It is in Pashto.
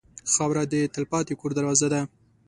خاوره د تلپاتې کور دروازه ده.